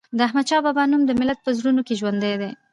د احمد شاه بابا نوم د ملت په زړونو کې ژوندی دی.